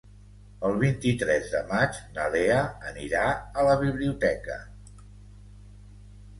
El vint-i-tres de maig na Lea anirà a la biblioteca.